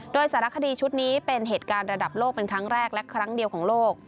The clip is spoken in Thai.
โดยสารคดีชุดนี้เป็นเหตุการณ์ระดับโลกเป็นครั้งแรกและครั้งเดียวของโลก